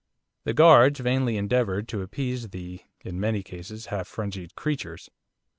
The guards vainly endeavoured to appease the, in many cases, half frenzied creatures.